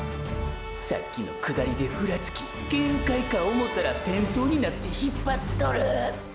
さっきの下りでフラつき限界か思うたら先頭になって引っぱっとる！！